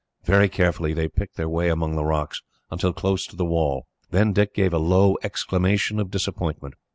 Very carefully, they picked their way among the rocks, until close to the wall; then Dick gave a low exclamation of disappointment.